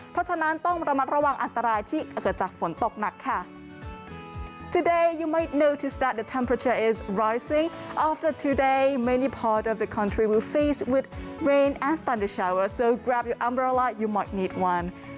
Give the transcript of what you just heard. เพราะฉะนั้นต้องระมัดระวังอันตรายที่เกิดจากฝนตกหนักค่ะ